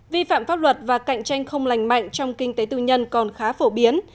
vi phạm pháp luật và cạnh tranh không lành mạnh trong kinh tế tư nhân còn khá phổ biến